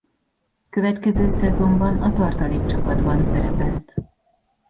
Következő szezonban a tartalék csapatban szerepelt.